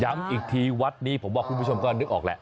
อีกทีวัดนี้ผมว่าคุณผู้ชมก็นึกออกแหละ